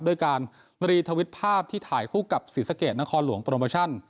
ด้วยการรีทวิตภาพที่ถ่ายคู่กับศรีสะเกดนครหลวงโปรโมชั่น